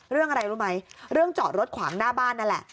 เรื่องอะไรรู้ไหมเรื่องจอดรถขวางหน้าบ้านนั่นแหละ